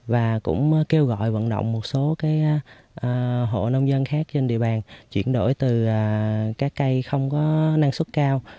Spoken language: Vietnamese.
và cũng kêu gọi vận động một số hộ nông dân khác trên địa bàn chuyển đổi từ các cây không có năng suất cao